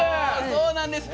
そうなんです。